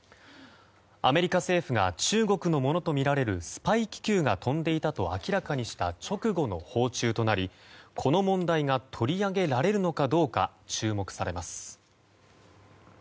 アメリカ政府が中国のものとみられるスパイ気球が飛んでいたと明らかにした直後の訪中となりこの問題が取り上げられるのかどうか注目されます。